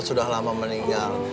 sudah lama meninggal